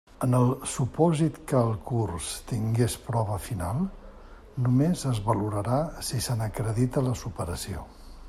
En el supòsit que el curs tingués prova final, només es valorarà si se n'acredita la superació.